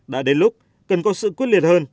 đã đến lúc cần có sự quyết liệt hơn